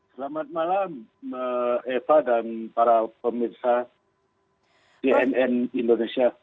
selamat malam eva dan para pemirsa tnn indonesia